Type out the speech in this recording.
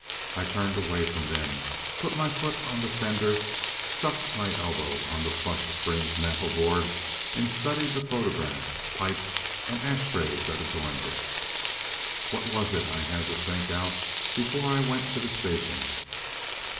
I turned away from them, put my foot on the fender, stuck my elbow on the plush fringed mantelboard, and studied the photographs, pipes, and ash trays that adorned it. What was it I had to think out before I went to the station?